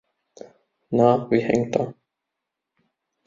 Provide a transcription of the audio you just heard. Na, wie hängt er?